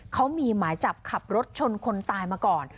เขามีหมายจับขับรถชนคนตายมาก่อน